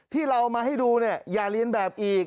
ที่เราเอามาให้ดูเนี่ยอย่าเรียนแบบอีก